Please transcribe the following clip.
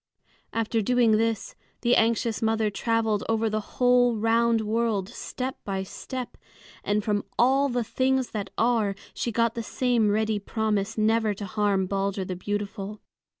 After doing this, the anxious mother traveled over the whole round world, step by step; and from all the things that are she got the same ready promise never to harm Balder the beautiful.